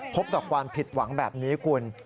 พบกับความผิดหวังแบบนี้คุณ